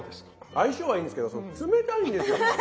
相性はいいんですけど冷たいんですよ。